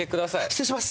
失礼します